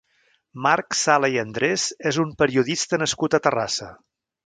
Marc Sala i Andrés és un periodista nascut a Terrassa.